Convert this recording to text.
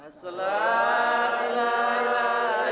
assalatillahi lillahi lillahi'l allah